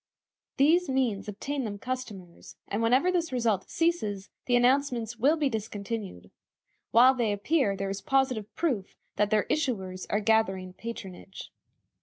These means obtain them customers, and whenever this result ceases the announcements will be discontinued. While they appear there is positive proof that their issuers are gathering patronage.